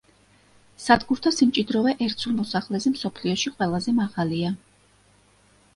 სადგურთა სიმჭიდროვე ერთ სულ მოსახლეზე მსოფლიოში ყველაზე მაღალია.